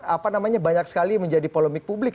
apa namanya banyak sekali menjadi polemik publik